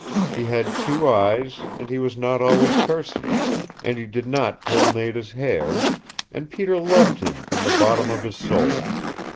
He had two eyes, and he was not always cursing, and he did not pull Nada's hair and Peter loved him from the bottom of his soul.